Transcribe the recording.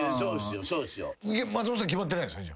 松本さん決まってないんですか。